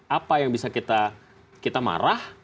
apa yang bisa kita marah